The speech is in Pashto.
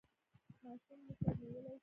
ماشوم مو سر نیولی شي؟